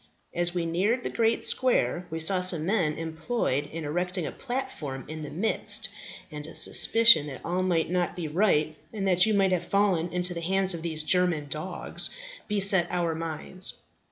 As we neared the great square we saw some men employed in erecting a platform in the midst, and a suspicion that all might not be right, and that you might have fallen into the hands of these German dogs, beset our minds.